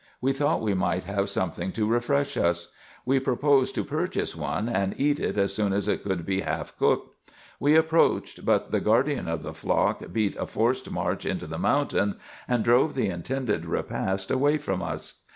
We thought we might have something to refresh us. We proposed to purchase one, and eat it as soon as it could be half cooked. We approached, but the guardian of the flock beat a forced march into the mountain, and drove the intended repast away from us.